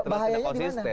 bahayanya di mana